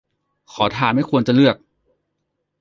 ขอทานไม่ควรจะเลือก